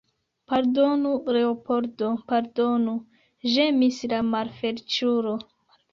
Pardonu, Leopoldo, pardonu, ĝemis la malfeliĉulo.